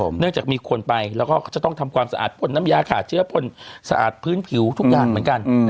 เนื่องจากมีคนไปแล้วก็จะต้องทำความสะอาดพ่นน้ำยาขาดเชื้อสะอาดพื้นผิวทุกอย่างเหมือนกัน